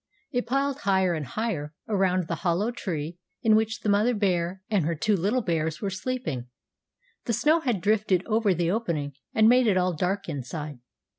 It piled higher and higher around the hollow tree in which the mother bear and her two little bears were sleeping. The snow had drifted over the opening and made it all dark inside.